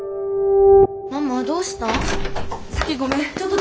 ママどうしたん？